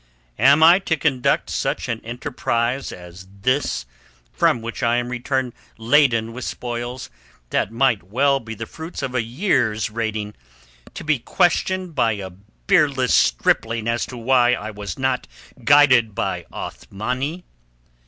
Am I to conduct such an enterprise as this from which I am returned laden with spoils that might well be the fruits of a year's raiding, to be questioned by a beardless stripling as to why I was not guided by Othmani?"